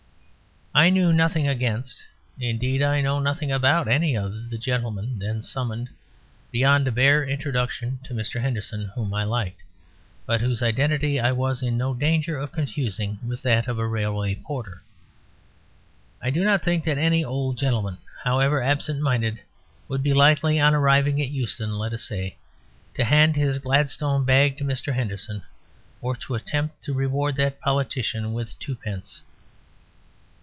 I knew nothing against, indeed I knew nothing about, any of the gentlemen then summoned, beyond a bare introduction to Mr. Henderson, whom I liked, but whose identity I was in no danger of confusing with that of a railway porter. I do not think that any old gentleman, however absent minded, would be likely on arriving at Euston, let us say, to hand his Gladstone bag to Mr. Henderson or to attempt to reward that politician with twopence.